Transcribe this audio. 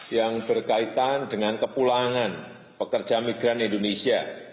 yang berkaitan dengan kepulangan pekerja migran indonesia